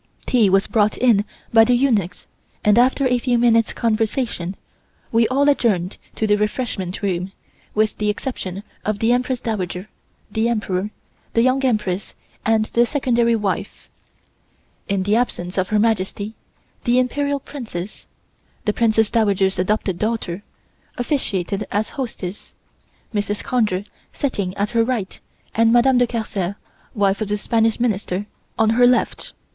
Tea was brought in by the eunuchs and after a few minutes' conversation, we all adjourned to the refreshment room, with the exception of the Empress Dowager, the Emperor, the Young Empress and the Secondary wife. In the absence of Her Majesty, the Imperial Princess (The Empress Dowager's adopted daughter) officiated as hostess, Mrs. Conger sitting at her right and Madame de Carcer, wife of the Spanish Minister, on her left.